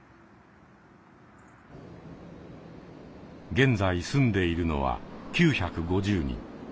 現在住んでいるのは９５０人。